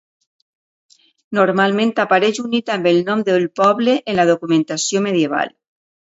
Normalment apareix unit amb el nom del poble en la documentació medieval.